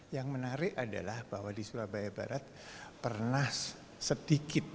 yang menarik adalah bahwa di surabaya barat pernah sedikit